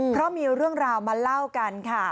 เพราะมีเรื่องราวมาเล่ากันค่ะ